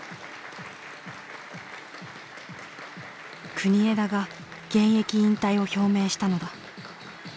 国枝が現役引退を表明したのだ。